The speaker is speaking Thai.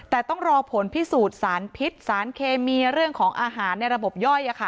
แต่ต้องรอผลพิสูจน์สารพิษสารเคมีเรื่องของอาหารในระบบย่อย